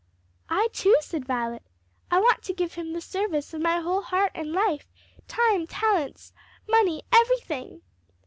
"I too," said Violet. "I want to give him the service of my whole heart and life, time, talents, money, everything!"